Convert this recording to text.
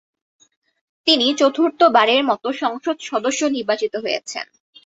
তিনি চতুর্থবারের মতো সংসদ সদস্য নির্বাচিত হয়েছেন।